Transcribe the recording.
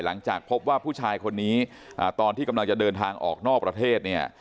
หลังจากพบว่าผู้ชายคนนี้ตอนที่กำลังจะเดินทางออกนอกประเทศเนี่ย